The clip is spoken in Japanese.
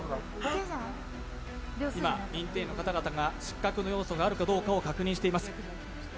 今、認定員の方々が失格の要素があるか確認しています。